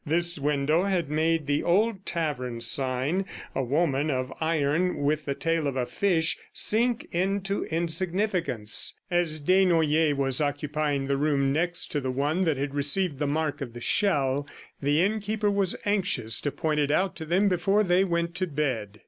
This window had made the old tavern sign a woman of iron with the tail of a fish sink into insignificance. As Desnoyers was occupying the room next to the one that had received the mark of the shell, the inn keeper was anxious to point it out to them before they went to bed.